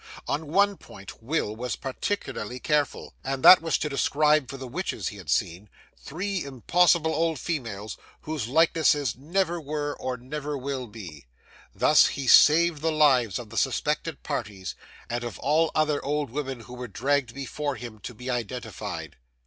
On one point Will was particularly careful: and that was to describe for the witches he had seen, three impossible old females, whose likenesses never were or will be. Thus he saved the lives of the suspected parties, and of all other old women who were dragged before him to be identified.